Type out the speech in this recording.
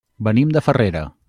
Venim de Farrera.